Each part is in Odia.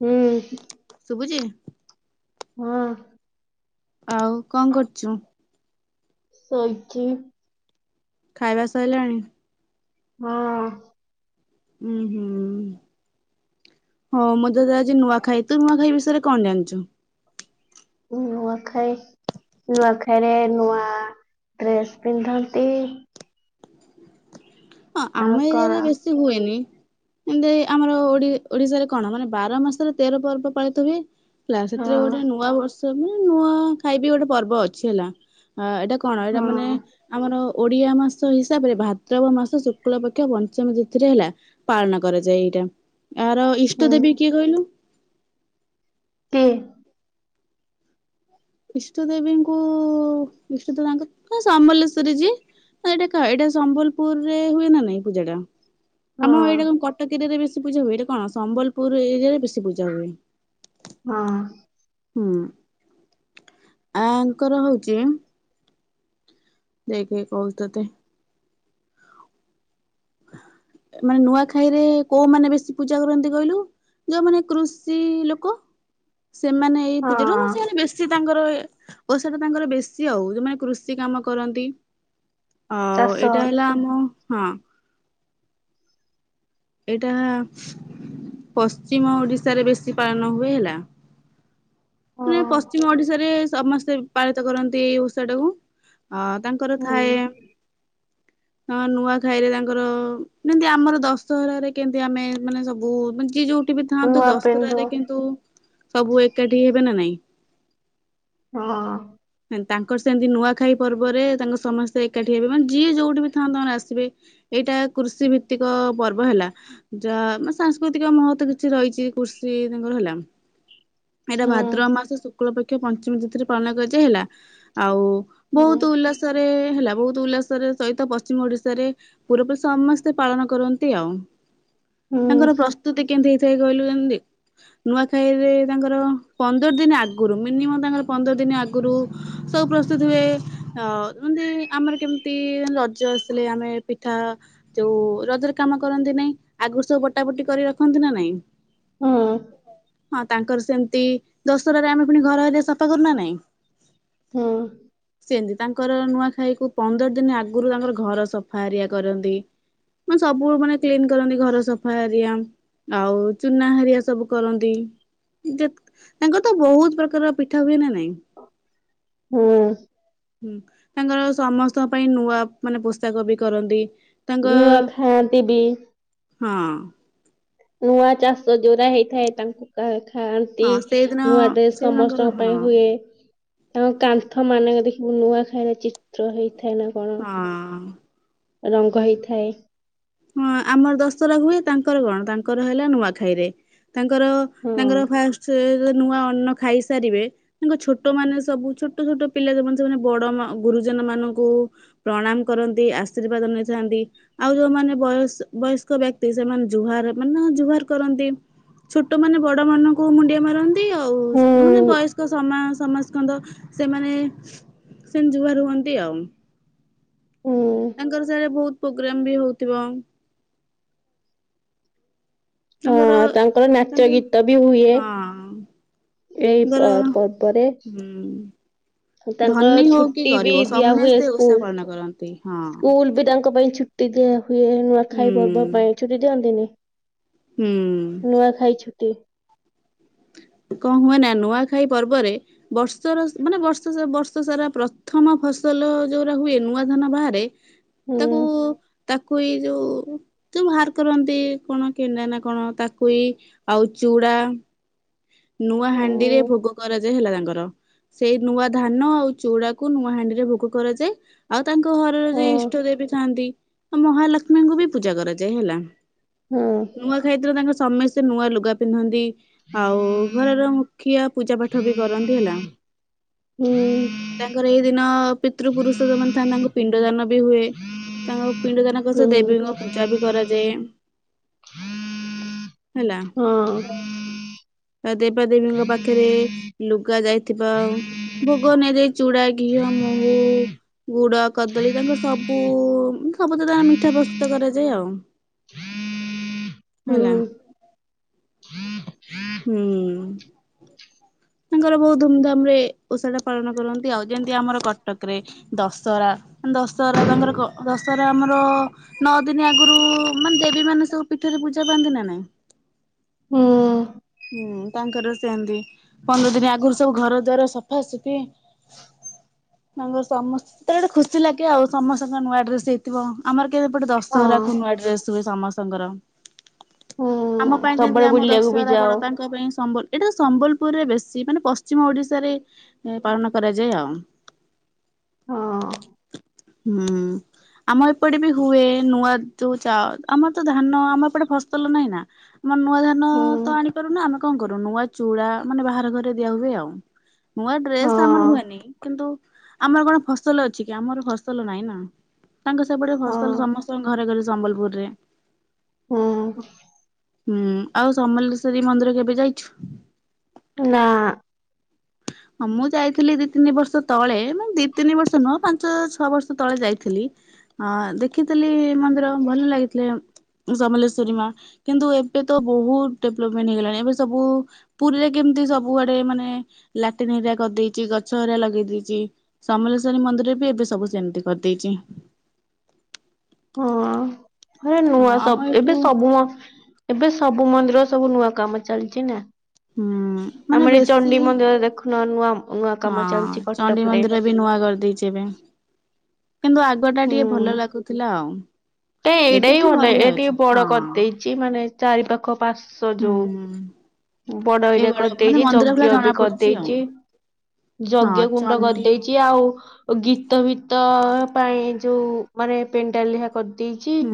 ହୁଁ। ଶୁଭୁଚି? ହଁ। ଆଉ କଣ କରୁଚୁ? ଶୋଇଚି। ଖାଇବା ସଇଲାଣି? ହଁ। ଉ ହୁଁ। ହଁ ମୁଁ ତ ଯାଉଚି ନୂଆ ଖାଇ ତୁ ନୂଆ ଖାଇ ବିଷୟରେ କଣ ଜାଣିଚୁ? ନୂଆ ଖାଇ ନୂଆଖାଇରେ ନୂଆ ଡ୍ରେସ ପିନ୍ଧନ୍ତି। ହଁ ଆଉ ଆମ ଏରିଆ ରେ କଣ ବେଶୀ ହୁଏନି। ଏମତି ଆମର ଓଡି ଓଡିଶାରେ କଣ ମାନେ ବାର ମାସରେ ତେର ପର୍ବ ପାଳିତ ହୁଏ। ହେଲା ହଁ ସେଥିରେ ଗୋଟେ ନୂଆ ବର୍ଷ କୁ ମାନେ ନୂଆ ଖାଇବି ଗୋଟେ ପର୍ବ ଅଛି ହେଲା ଏଇଟା କଣ ଏଇଟା ମାନେ ହଁ ଆମର ଓଡିଆ ମାସ ହିସାବରେ ଭାଦ୍ରବ ମାସ ଶୁକ୍ଳ ପକ୍ଷ ପଞ୍ଚମୀ ତିଥିରେ ହେଲା ପାଳନ କରାଯାଏ ଏଇଟା ଆର ହୁଁ ଇଷ୍ଟ ଦେବୀ କିଏ କହିଲୁ? କିଏ? ଇଷ୍ଟୁ ଦେବୀଙ୍କୁ ଇଷ୍ଟୁ ଦେବଙ୍କ କ ସମଲେଶ୍ୱରରେ ଯିଏ। ଏଇଟା କ ଏଇଟା ସମ୍ବଲପୁର ରେ ହୁଏ ନା ନାଇଁ ପୂଜା ଟା? ଆମ ହଁ ଏଇଟା କ କଟକ ଏରିରେ ବେଶୀ ପୂଜା ହୁଏ ଏଇଟା କଣ ସମ୍ବଲପୁର ଏରିଆରେ ବେଶୀ ପୂଜା ହୁଏ। ହଁ। ହୁଁ ଆଙ୍କର ହଉଛି ନେଇକି ପଳାଉଚନ୍ତି। ମାନେ ନୂଆଖାଇରେ କୋଉମାନେ ବେଶୀ ପୂଜା କରନ୍ତି କହିଲୁ? ଯୋଉମାନେେ କୃଷି ଲୋକ ସେମାନେ ଏଇ ପୂଜାରୁ ହଁ ମାନେ ସେମାନେ ବେଶୀ ତାଙ୍କର ପଇସା ଟା ତାଙ୍କର ବେଶୀ ଆଉ ଯୋଉମାନେ କୃଷି କାମ କରନ୍ତି ଆଉ ଚାଷ ଏଇଟା ହେଲା ଓ ହଁ ଏଇଟା ପଶ୍ଚିମ ଓଡ଼ିଶାରେ ବେଶୀ ପାଳନ ହୁଏ ହେଲା। ମାନେ ହଁ ପଶ୍ଚିମ ଓଡ଼ିଶାରେ ସମସ୍ତେ ପାଳିତ କରନ୍ତି ଏଇ ଓଷାଟାକୁ। ହଁ ତାଙ୍କର ହୁଁ ଥାଏ। ହଁ ନୂଆଖାଇରେ ତାଙ୍କର ଯେମିତି ଆମର ଦଶ ଦଶହରାରେ କେମତି ଆମେ ମାନେ ସବୁ ଯିଏ ଯୋଉଠି ବିଥାନ୍ତୁ ନୂଆ ପିନ୍ଧୁ ଦଶହରାରେ କିନ୍ତୁ ସବୁ ଏକାଠି ହେବେ ନା ନାଇଁ ହଁ ତାଙ୍କର ସେମିତି ନୂଆଖାଇ ପର୍ବରେ ତାଙ୍କ ସମସ୍ତେ ଏକାଠି ହେବେ ମାନେ ଯିଏ ଯୋଉଠି ବି ଥାଆନ୍ତୁ ମାନେ ଆସିବେ। ଏଇଟା କୃଷିଭିତ୍ତିକ ପର୍ବ ହେଲା। ଯା ମାନେ ସାଂସ୍କୃତିକ ମହତଵ କିଛି ରହିଛି କୃଷି ତାଙ୍କର ହେଲା। ଏଇଟା ହୁଁ ଭାଦ୍ର ମାସ ଶୁକ୍ଳ ପକ୍ଷ ପଞ୍ଚମୀ ତିଥିରେ ପାଳନ କରାଯାଇ। ହେଲା ଆଉ ହୁଁ ବହୁତ ଉଲ୍ଲାସ ଓଡ଼ିଶାରେ ହେଲା ବହୁତ ଉଲ୍ଲାସରେ ସହିତ ପଶ୍ଚିମ ଓଡ଼ିଶାରେ ପୁରବେ ସମସ୍ତେ ପାଳନ କରନ୍ତି। ୟମ୍ ହୁଁ ତାଙ୍କର ପ୍ରସ୍ତୁତି କେମତି ହେଇଥାଏ କହିଲ କେମିତି। ନୂଆଖାଇରେ ତାଙ୍କର ପନ୍ଦର ଦିନ ଆଗରୁ ମିନିମମ୍ ତାଙ୍କର ପନ୍ଦର ଦିନ ଆଗରୁ ସବୁ ପ୍ରସ୍ତୁତ ହୁଏ ଅ ଯେମିତି ଆମର କେମିତି ରଜ ଆସିଲେ ଆମେ ପିଠା ଯୋଉ ରଜରେ କାମ କରନ୍ତି ନାଇଁ ଆଗରୁ ସବୁ ବଟା ବଟି କରିରଖନ୍ତି ନା ନାଇଁ? ହୁଁ ହଁ ତାଙ୍କର ସେମିତି ଦଶହରାରେ ଆମେ ପୁଣି ଘରହରିକା ସଫା କରୁନା ନାଇଁ। ହଁ ସେମିତି ତାଙ୍କର ନୂଆଖାଇ କୁ ପନ୍ଦର ଦିନ ଆଗରୁ ତାଙ୍କର ଘର ସଫା ହେରିକା କରନ୍ତି। ମାନେ ସବୁ ମାନେ କ୍ଲିନ କରନ୍ତି ଘର ସଫା ହରିଆ ଆଉ ଚୁନା ହାରିଆ ସବୁ କରନ୍ତି। ତାଙ୍କର ତ ବହୁତ ପ୍ରକାରର ପିଠା ହୁଏ ନା ନାଇଁ? ହୁଁ। ହୁଁ ତାଙ୍କର ସମସ୍ତଙ୍କ ପାଇଁ ନୂଆ ମାନେ ପୋଷାକ ବି କରନ୍ତି। ତାଙ୍କ ନୂଆ ଖାଆନ୍ତି ବି ହଁ ନୂଆ ଚାଷ ଯୋଉରା ହେଇଥାଏ ତାଙ୍କୁ ନୂଆଖାଆନ୍ତି ହଁ ସେଇଦିନ ନୂଆ ଡ୍ରେସ୍ ସେ ତାଙ୍କର ସମସ୍ତଙ୍କ ପାଇଁ ହଁ ହୁଏ। ତାଙ୍କ କାନ୍ଥ ମାନଙ୍କରେ ଦେଖିବୁ ନୂଆଖାଇର ଚିତ୍ର ହେଇଥାଏ ନା କଣ? ହଁ। ରଙ୍ଗ ହେଇଥାଏ। ହଁ ଆମର ଦଶହରା ହୁଏ। ତାଙ୍କର କଣ ତାଙ୍କର ହେଲା ନୂଆଖାଇରେ। ତାଙ୍କର ହଁ ତାଙ୍କର ଫାଷ୍ଟ ନୂଆ ଅନ୍ନ ଖାଇସାରିବେ। ତାଙ୍କ ଛୋଟ ମାନେ ସବୁ ଛୋଟ ଛୋଟ ପିଲା ଯେ ସେମାନେ ବଡ଼ ଗୁରୁଜନ ମାନଙ୍କୁ ପ୍ରଣାମ କରନ୍ତି, ଆଶୀର୍ବାଦ ନେଇଥାନ୍ତି, ଆଉ ଯୋଉମାନେ ବୟସ ବୟସ୍କ ବ୍ୟକ୍ତି ସେମାନେ ଜୁହାର ମାନେ ଜୁହାର କରନ୍ତି। ଛୋଟ ମାନେ ବଡ଼ ମାନଙ୍କୁ ମୁଣ୍ଡିଆ ମାରନ୍ତି ଆଉ ମାନେ ହୁଁ ବୟସ୍କ ସମା ସମାଜ ସେମାନେ ସେମାନେ ଜୁହାର ହୁଅନ୍ତି ଆଉ। ହୁଁ ତାଙ୍କ ସାହିରେ ବହୁତ ପୋଗ୍ରାମ ବି ହୋଉଥିବ। ତାଙ୍କର ହଁ ତାଙ୍କର ନାଚ ତାଙ୍କର ଗୀତ ବି ହୁଏ। ଏଇ ଗଲ? ପ- ହୁଁ। ତାଙ୍କ ଧନୀ ହଉ କି ଛୁଟି ବି ଗରିବ ଦିଆ ହୁଏ ସମସ୍ତେ ଓଷା ସ୍କୁଲ। ପାଳନ କରନ୍ତି ହଁ। ସ୍କୁଲ ବି ତାଙ୍କ ପାଇଁ ଛୁଟି ଛୁଟି ଦିଆ ହୁଏ। ନୂଆ ଖାଇ ପର୍ବ ହୁଁ ପାଇଁ ଛୁଟି ଦିଅନ୍ତିନି? ହୁଁ। ନୂଆ ଖାଇଛୁଟି। କଣ ହୁଏ ନା ନୂଆଖାଇ ପର୍ବରେ ବର୍ଷର ମାନେ ବର୍ଷ ବର୍ଷ ସାରା ପ୍ରଥମ ଫସଲ ଯୋଉରା ହୁଏ ନୂଆ ଧାନ ବାହାରେ ହୁଁ ତାକୁ ତାକୁ ଏଇ ଯୋଉ ତାକୁ ବାହାର କରନ୍ତି କଣ କେନା ନା କଣ ତାକୁଇ ଆଉ ଚୁଡା ନୂଆ ହୁଁ ହାଣ୍ଡିରେ ଭୋଗ କରାଯାଏ ହେଲା ତାଙ୍କର। ସେଇ ନୂଆ ଧାନ ଆଉ ଚୁଡାକୁ ନୂଆ ହାଣ୍ଡିରେ ଭୋଗ କରାଯାଏ। ଆଉ ତାଙ୍କ ଘରର ହଁ ଯିଏ ଇଷ୍ଟ ଦେବୀ ଥାନ୍ତି ମହାଲକ୍ଷ୍ମୀଙ୍କୁ ବି ପୂଜା କରାଯାଏ ହେଲା। ହୁଁ। ନୂଆଁଖାଇ ର ତାଙ୍କ ସମସ୍ତେ ନୂଆ ଲୁଗା ପିନ୍ଧନ୍ତି ଆଉ ଘରର ମୁଖିଆ ପୂଜା ପାଠ ବି କରନ୍ତି ହେଲା। ହୁଁ [inaudible] ତାଙ୍କର ଏଇ ଦିନ ପିତୃ ପୁରୁଷ ଯୋଉ ମାନେ ଥାନ୍ତି ତାଙ୍କୁ ପିଣ୍ଡ ଦାନ ବି ହୁଏ। ତାଙ୍କ ପିଣ୍ଡ ଦାନଙ୍କ ହୁଁ ସହ ଦେବୀଙ୍କ ପୂଜା ପୂଜା ବି କରାଯାଏ ହେଲା। ହଁ। ଦେବା ଦେବୀଙ୍କ ପାଖରେ ଲୁଗା ଯାଇଥିବା ଭୋଗ [unintelligible] ଦେଇ ଚୁଡା, ଘିଅ, ମହୁ ଗୁଡ କଦଳୀ ତାଙ୍କର ସବୁ, ସବୁ ତ ତାଙ୍କର ମିଠା ପ୍ରସ୍ତୁତ କରାଯାଏ ଆଉ। [inaudible] ହୁଁ। ହୁଁ। ତାଙ୍କର ବହୁତ ଧୁମଧାମ ରେ ଓଷାଟା ପାଳନ କରନ୍ତି। ଆଉ ଯେମିତି ଆମର କଟକ ରେ ଦଶହରା ଦଶହରା ତାଙ୍କର ଦଶହରା ଆମର ନଅ ଦିନ ଆଗରୁ ମାନେ ଦେବୀ ମାନେ ସବୁ ପୀଠରେ ପୂଜା ପାଆନ୍ତି ନା ନାଇଁ? ହୁଁ ହୁଁ ତାଙ୍କର ସେମତି? ପନ୍ଦର ଦିନ ଆଗରୁ ସବୁ ଘର ଦ୍ୱାର ସଫାସଫି ତାଙ୍କ ସମସ୍ତେ ଗୋଟେ ଖୁସି ଲାଗେ। ଆଉ ସମସ୍ତଙ୍କ ନୂଆ ଡ୍ରେସ ହେଇ ଆମର କେ [unintelligible] ଏପଟେ ହଁ ଦଶହରାକୁ ନୂଆ ଡ୍ରେସ ହୁଏ ସମସ୍ତଙ୍କର। ହୁଁ ଆମ ପାଇଁ ଯେମିତି ସବୁବେଳେ ଆମ ବୁଲିବାକୁ ବି ଦଶହରା ଯାଅ ବଡ। ତାଙ୍କ ପାଇଁ ସମ୍ବଲ ଏଇଟା ତ ସମ୍ବଲ [unintelligible] ବେଶୀ ମାନେ ପଶ୍ଚିମ ଓଡିଶାରେ ପାଳନ କରାଯାଏ ଆଉ। ହଁ ହୁଁ। ଆମର ଏପଟେ ବି ହୁଏ ନୂଆ ଯୋଉ ଚା ଆମର ତ ଧାନ ଆମ ଏପଟେ ଫସଲ ନାହିଁ ନା? ଆମର ନୂଆ ଧାନ ହୁଁ ତ ଆଣିପାରୁନା ଆମେ କଣ କରୁ ନୂଆ ଚୂଡା ମାନେ ବାହାର ଘରେ ଦିଆ ହୁଏ ଆଉ। ନୂଆ ହଁ ଡ୍ରେସ ଆମର ହୁଏନି। କିନ୍ତୁ ଆମର କଣ ଫସଲ ଅଛି କି ଆମର ଫସଲ ନାଇଁ ନା? ତାଙ୍କ ସେପଟେ ହଁ ଫସଲ ସମସ୍ତଙ୍କ ଘରେ ଘରେ ସମ୍ବଲପୁରରେ। ହୁଁ। ହୁଁ ଆଉ ସମଲେଶ୍ୱରୀ ମନ୍ଦିର କେବେ ଯାଇଛୁ? ନାଁ। ହଁ ମୁଁ ଯାଇଥିଲି ଦି ତିନି ବର୍ଷ ତଳେ ମାନେ ଦି ତିନି ବର୍ଷ ନୁହଁ ପାଞ୍ଚ ଛଅ ବର୍ଷ ତଳେ ଯାଇଥିଲି। ହଁ ଦେଖିଥିଲି ମନ୍ଦିର ଭଲ ଲାଗିଥିଲା। ସମଲେଶ୍ୱରୀ ମା କିନ୍ତୁ ଏବେ ତ ବହୁତ ଡେଭଲପମେଣ୍ଟ ହେଇଗଲାଣି ଏବେ ସବୁ ପୁରୀରେ କେମିତି ସବୁଆଡେ ମାନେ ଲାଟିନ ହେରିକା କରିଦେଇଛି ଗଛ ହେରିକା ଲଗେଇ ଦେଇେଇଛି। ସମଲେଶ୍ୱରୀ ମନ୍ଦିରରେ ବି ଏବେ ସବୁ ସେମିତି କରିଦେଇଛି। ହଁ ନୂଆ ଆମ ସବୁ ଏଠୁ ଏବେ ସବୁ ମ ଏବେ ସବୁ ମନ୍ଦିର ସବୁ ନୂଆ କାମ ଚାଲିଛି ନା। ହୁଁ ମାନେ ଆମର ଏ ବେଶୀ ଚଣ୍ଡି ମନ୍ଦିର ଦେଖ ନା ନୱମ୍ ହଁ ଚଣ୍ଡି ମନ୍ଦିର ବି ନୂଆ କରିଦେଇଛି ଏବେ। କିନ୍ତୁ ଆଗ ଟା ଟିକେ ଭଲ ଲାଗୁଥିଲା ଆଉ। ନା ଏଇଟା ଏବେ ହି ବି ଭଲ ଏଇ ଟିକେ ଅଛି ବଡ ହଁ। କରିଦେଇଛି ମାନେ ଚାରି ପାଖ ପାସ୍ଵ ହୁଁ ହୁଁ ଯୋଉ ବଡ ଏରିଆ ଏଇଭଳିଆ ମାନେ କରିଦେଇଛି ମନ୍ଦିର ଭଳିଆ ଯଜ୍ଞ ଜଣା ବି ପଡୁଛି ଆଉ କରିଦେଇଛି। ହଁ ଯଜ୍ଞ କୁଣ୍ଡ ଚଣ୍ଡୀ କରିଦେଇଛି ଆଉ ଗୀତ ଭିତ ପାଇଁ ଯୋଉ ମାନେ ପେଣ୍ଡାଲିଆ କରି ହୁଁ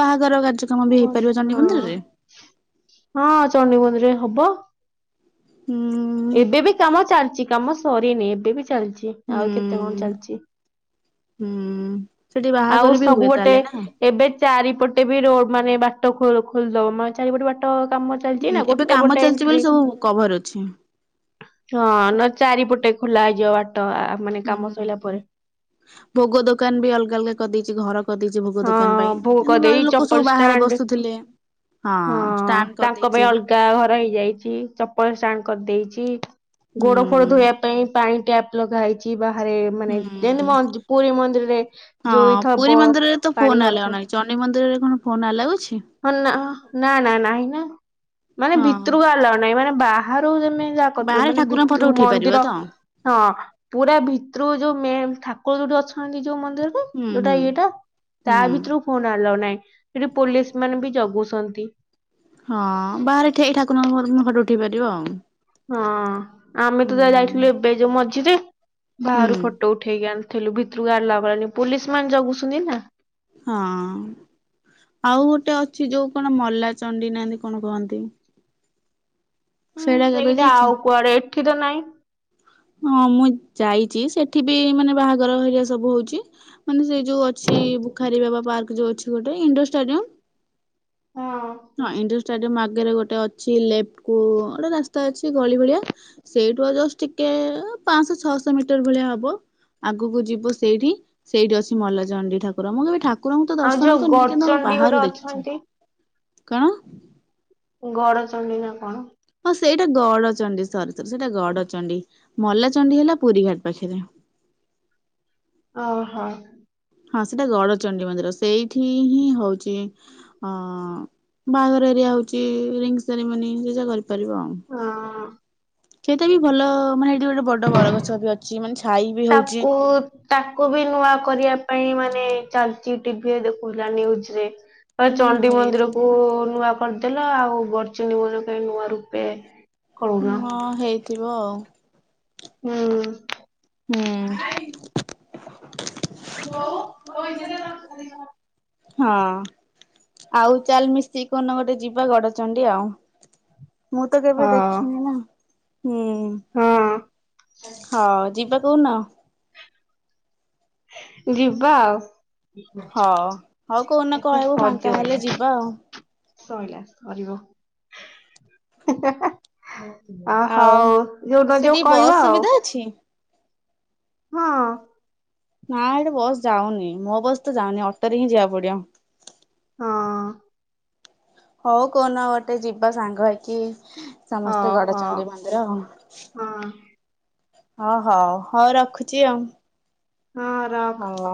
ବାହାଘର କାର୍ଯ୍ୟକ୍ରମ ବି ହେଇପାରିବ ବଢିଆ ଚଣ୍ଡି ହଁ ମନ୍ଦିରରେ। ହଁ ଚଣ୍ଡି ମନ୍ଦିର ରେ ହବ। ହୁଁ ଏବେ ବି କାମ ଚାଲିଛି। କାମ ସରିନି। ଏବେ ବି ଚାଲିଛି। ହୁଁ ଆଉ କେତେ କଣ ଚାଲିଛି? ହୁଁ ସେଠି ଆଉ ବାହାଘର ବି ସବୁ ହୁଏ ଗୋଟେ ତାହେଲେ ନା ଏବେ ଚାରିପଟେ ବି ରୋଡ ମାନେ ବାଟ ଖୋଲିଦବ ଚାରିପଟେ ବାଟ କାମ ଚାଲିଛି ହୁଁ ନା ଏବେ ଗୋଟେ କାମ ପଟେ ଚାଲିଛି ବୋଲି ଏଣ୍ଟ୍ରି ସବୁ କଭର ଅଛି। ହଁ ନ ଚାରିପଟେ ଖୋଲା ହେଇଯିବ ବାଟ ମାନେ ହୁଁ କାମ ସରିଲା ହ ପରେ। ଭୋଗ ଦୋକାନ ବି ଅଲଗା ଅଲଗା କରିଦେଇଛି ଘର କରିଦେଇଛି ଭୋଗ ଦୋକାନ ହଁ ଭୋଗ ପାଇଁ କରିଦେଇ ଲୋକ ଚପଲ ସବୁ ବାହାରେ ଷ୍ଟାଣ୍ଡ ବସୁଥିଲେ। ହଁ ଷ୍ଟାଣ୍ଡ ତାଙ୍କ କରିଦେଇଛି ପାଇଁ ଅଲଗା ଘର ହେଇଯାଇଛି ଚପଲ ଷ୍ଟାଣ୍ଡ କରିଦେଇଛି। ଗୋଡ଼ ଫୋଡ ହୁଁ ଧୋଇଵା ପାଣି ଟ୍ୟାପ୍ ଲଗା ହେଇଛି ବାହାରେ ମାନେ ଯେମତି ହୁଁ ମନ୍ଦି-ପୁରୀ ମନ୍ଦିରରେ ହଁ ଯୋଉ ପୁରୀ ଥବ ମନ୍ଦିରରେ ତ ପାଣି ଫୋନ ଆଲାଉ ଭରୁଥିବ ନାଁହିଁ ଚଣ୍ଡି ମନ୍ଦିରରେ କଣ ଫୋନ୍ ଆଲାଉ ଅଛି। ହଁ ନା ନା ନା ନାଇଁ ନା ମାନେ ହଁ ଭିତରକୁ ଆଲା ନାହିଁ ମାନେ ବାହାରୁ ତମେ ଯାହା ବାହାରେ କହିଲ ଠାକୁରଙ୍କ ଫଟୋ ଭିତରୁ ଉଠେଇ ପାରିବ ମନ୍ଦିର ତ ହଁ ପୁରା ଭିତରୁ ଯୋଉ ମେନ ଠାକୁର ଯୋଉଠି ଅଛନ୍ତି ଯୋଉ ମନ୍ଦିରରେ ହୁଁ ଯୋଉଟା ହୁଁ। ଇଏଟା ତା ହୁଁ ଭିତରୁ ଫୋନ ଆଲଉ ନାହିଁ। ସେଠି ପୋଲିସ ମାନେ ବି ଜଗୁଛନ୍ତି। ହଁ ବାହାରେ ଠିଆ ହେଇ ଠାକୁରଙ୍କ ଫଟ ଉଠେଇ ପାରିବ ଆଉ। ହଁ ଆମେ ତ ଯା ହୁଁ। ଯାଇଥିଲୁ ଏବେ ଯୋଉ ମଝିରେ ହୁଁ ବାହାରୁ ଫଟୋ ଉଠେଇକି ଆଣିଥିଲୁ ଭିତରକୁ ଆଲାଉ କଲାନି ପୁଲିସ୍ ମାନେ ଜଗୁଛନ୍ତି ନା। ହଁ ଆଉ ଗୋଟେ ଅଛି ଯୋଉ କଣ ମଲା ଚଣ୍ଡୀ ନାନିନା କଣ କହନ୍ତି। ହୁଁ କେବେ ସେଇଟା ଯାଇଛ? ଆଉ କୁଆଡେ ଏଠି ତ ନାଇଁ। ହଁ ମୁଁ ଯାଇଚି। ସେଠି ବି ମାନେ ବାହାଘର ହେରିଆ ସବୁ ହଉଚି। ମାନେ ସେଇ ଯୋଉ ଅଛି ବୁଖାରୀ ବାବା ପାର୍କ ଯୋଉ ଅଛି ଗୋଟେ ଇଣ୍ଡୋର ଷ୍ଟାଡିୟମ। ହଁ। ହଁ ଇଣ୍ଡୋର ଷ୍ଟାଡିଏମ ଆଗରେ ଗୋଟେ ଅଛି ଲେଫ୍ଟ କୁ ଗୋଟେ ରାସ୍ତା ଅଛି ଗଳି ଭଳିଆ। ସେଇଠୁ ଆଉ ଜଷ୍ଟ ଟି କେ ପାଞ୍ଚଶହ ଛଅଶହ ମିଟର ଭଳିଆ ହବ। ଆଗକୁ ଯିବ ସେଇଠି ସେଇଠି ଅଛି ମଲା ଚଣ୍ଡୀ ଠାକୁର। ମୁଁ କେବେ ଠା ଠାକୁରଙ୍କୁ ତ ଆଉ ଦର୍ଶନ ଯୋଉ କରିନି କିନ୍ତୁ ଗଡଚଣ୍ଡୀ ଗୋଟେ ବାହାରୁ ଦେଖିଛି। ଅଛନ୍ତି କଣ? ଗଡ ଚଣ୍ଡି ନା କଣ? ହଁ ସେଇଟା ଗଡଚଣ୍ଡୀ ସରୀ ସରୀ ସେଇଟା ଗଡଚଣ୍ଡୀ। ମଲା ଚଣ୍ଡୀ ହେଲା ପୁରୀ ଘାଟ ପାଖରେ। ଓହୋ। ହଁ ସେଟା ଗଡଚଣ୍ଡୀ ମନ୍ଦିର ସେଇଠି ହିଁ ହୋଉଚି। ହଁ ବାହାଘର ଏରିଆ ହୋଉଛି, ରିଙ୍ଗ୍ ସେରିମନି ସେ ଯା କରି କରିବ। ହଁ। ଚେଇଟା ବି ଭଲ ମାନେ ହେଇଠି ଗୋଟେ ବଡ ବରଗଛ ବି ଚିମାନେ ଛାଇବି ତାକୁ ତାକୁ ବି ନୂଆ କରିବା ପାଇଁ ମାନେ ଚାଲିଚି ଟିଭିରେ ଦେଖୁଥିଲା ନିୟୁଜରେ। [unintelligible] ହୁଁ ଚଣ୍ଡି ମନ୍ଦିର କୁ ହେଇଥିବ ନୂଆ କରିଦେଲ, ଆଉ ବର୍ଚଣ୍ଡି ମନ୍ଦିର କା ନୂଆ ରୂପେ କରୁନ ମ ହେଇଥିବ ଆଉ। ହୁଁ। ହୁଁ। [unintelligible] ହଁ। ଆଉ ଚାଲ୍ ମିସିକି କଉ ଦିନ ଗୋଟେ ଯିବା ଗଡଚଣ୍ଡିୀ ଆଉ। ମୁଁ ତ କେବେ ଦେଖିନି ନା। ହୁଁ। ହଁ। ହଁ ଯିବା କୋଦିନ? ଯିବା ଆଉ। ହଉ ହଉ କୋଉଦିନ [unintelligible] କହିବୁ ଫାଙ୍କା ହେଲେ ସର୍ଜିବଣି। ଯିବା ଆଉ ସଇଲା ସରିବ। ହା ହା। ଅ ଆଉ ହୋଉ ଯୋଉ ନ ଯିବ ସେଠି କହିବ ବସ୍ ଆଉ। ସୁବିଧା ଅଛି? ହଁ। ନା ଏଠି ବସ୍ ଯାଉନି, ମୋ ବସ୍ ତ ଯାଉନି ଅଟୋରେ ହିଁ ଯିବାକୁ ପଡିବ। ହଁ। ହୋଉ କୋଉନ ଗୋଟେ ଯିବା ସାଙ୍ଗ ହେଇକି ସମସ୍ତେ ହଁ ହଁ ଗଡଚଣ୍ଡି ମ ରହ, ହଁ ହ ହଉ ରଖୁଚି ଆଉ। ହଁ ରଅ ହାଲୋ।